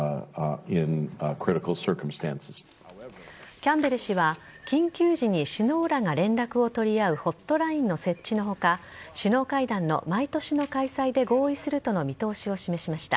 キャンベル氏は緊急時に首脳らが連絡を取り合うホットラインの設置の他首脳会談の毎年の開催で合意するとの見通しを示しました。